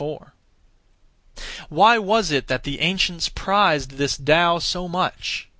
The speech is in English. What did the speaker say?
Why was it that the ancients prized this Tao so much?